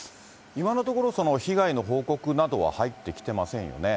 今のところ、被害の報告などは入ってきてませんよね。